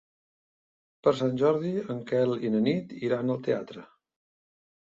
Per Sant Jordi en Quel i na Nit iran al teatre.